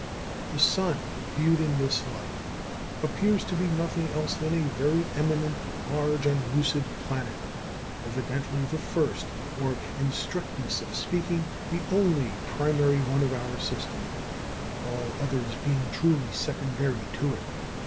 The sun, viewed in this light, appears to be nothing else than a very eminent, large, and lucid planet, evidently the first, or, in strictness of speaking, the only primary one of our system; all others being truly secondary to it.